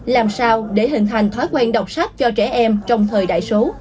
làm sao để hình thành thói quen đọc sách cho trẻ em trong thời đại số